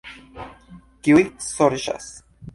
Kiuj sorĉas?